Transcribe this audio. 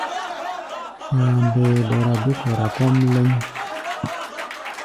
Fambɛɛ dɔra bé-kɔra kɔ́ʼm lɛ́ŋ.